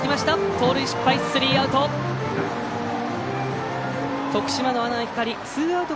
盗塁失敗、スリーアウト。